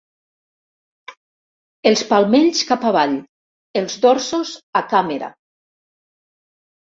Els palmells cap avall, els dorsos a càmera.